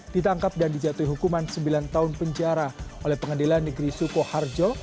ditangkap dan dijatuhi hukuman sembilan tahun penjara oleh pengadilan negeri sukoharjo